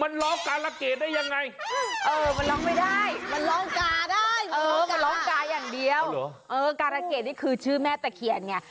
เออกาละเกดนี่คือชื่อแม่ตะเขียนไง